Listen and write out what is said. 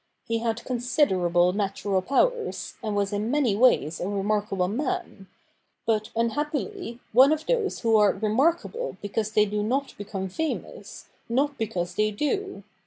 He had considerable natural powers, and was in many ways a remarkable man ; but, unhappily, one of those who are remarkable because they do not become famous, not because they do.